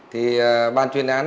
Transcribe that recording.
thì ban chuyên án